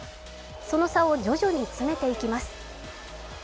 その差を徐々に詰めていきます。